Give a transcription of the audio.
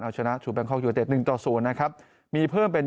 เอาชนะชูแบงคอกยูเต็ดหนึ่งต่อศูนย์นะครับมีเพิ่มเป็น